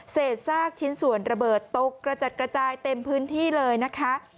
ซากชิ้นส่วนระเบิดตกกระจัดกระจายเต็มพื้นที่เลยนะคะ